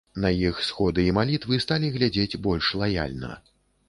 На іх сходы і малітвы сталі глядзець больш лаяльна.